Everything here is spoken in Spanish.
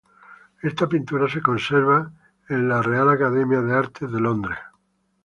Esta pintura se conserva en la Royal Academy of Arts, en Londres.